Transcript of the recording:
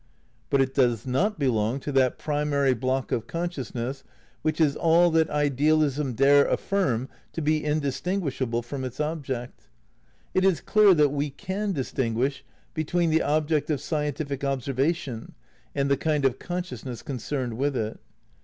But it does not be long to that primary block of consciousness which is all that idealism dare affirm to be indistinguishable from its object. It is clear that we can distinguish be tween the object of scientific observation and the kind of consciousness concerned with it.